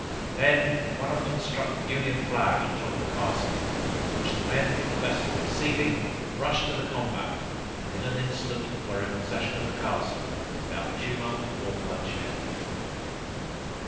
Then one of them struck the union flag on the top of the castle, which the men from the vessel perceiving, rushed to the combat, and in an instant were in possession of the castle, without tumult or bloodshed.